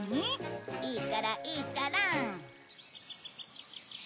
いいからいいから。